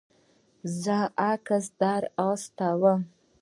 زه عکس در استوم